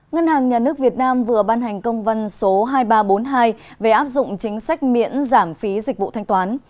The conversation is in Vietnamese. ngân hàng nhà nước việt nam vừa ban hành công văn số hai nghìn ba trăm bốn mươi hai về áp dụng chính sách miễn giảm phí dịch vụ thanh toán